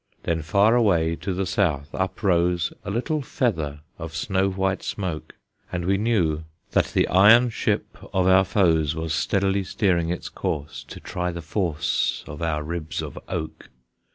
Then far away to the south uprose A little feather of snow white smoke, And we knew that the iron ship of our foes Was steadily steering its course To try the force Of our ribs of oak.